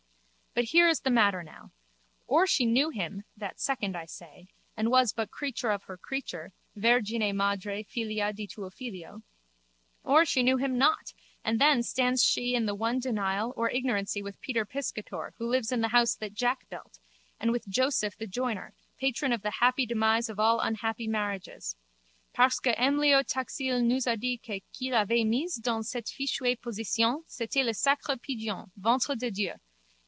But here is the matter now. Or she knew him, that second I say, and was but creature of her creature, vergine madre, figlia di tuo figlio, or she knew him not and then stands she in the one denial or ignorancy with Peter Piscator who lives in the house that Jack built and with Joseph the joiner patron of the happy demise of all unhappy marriages, _parceque M. Léo Taxil nous a dit que qui l'avait mise dans cette fichue position c'était le sacré pigeon, ventre de Dieu!